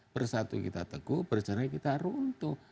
bersatu kita teguh bercerai kita runtuh